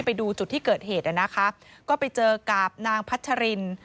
ไปดูจุดที่เกิดเหตุนะคะก็ไปเจอกับนางพัชริน